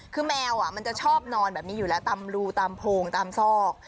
คือแมวมันจะชอบนอนแบบนี้อยู่แล้วตามรูตามโพงตามซอก